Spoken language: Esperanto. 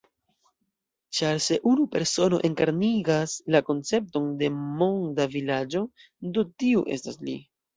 Ĉar se unu persono enkarnigas la koncepton de Monda Vilaĝo, do tiu estas li.